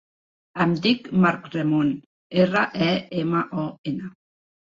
Em dic Marc Remon: erra, e, ema, o, ena.